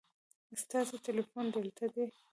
ستاسو تلیفون دلته دی